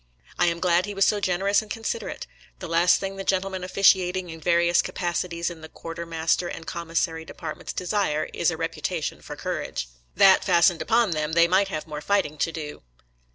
I am glad he was so generous and considerate; the last thing the gentlemen officiating in various capacities in the quartermaster and commissary departments desire is a reputation for courage; that fastened upon them, they might have more fighting to do.